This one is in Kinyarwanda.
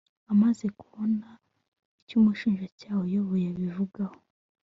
amaze kubona icyo umushinjacyaha uyoboye abivuzeho